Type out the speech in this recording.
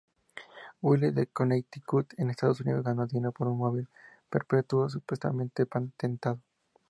Willis de Connecticut, en Estados Unidos, ganó dinero por un móvil perpetuo supuestamente patentado.